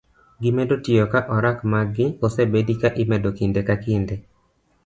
Gimedo tiyo ka orak magi osebedi ka imedo kinde ka kinde